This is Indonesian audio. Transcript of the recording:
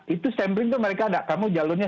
itu sampling tuh mereka ada kamu jalurnya